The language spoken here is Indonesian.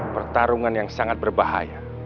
pertarungan yang sangat berbahaya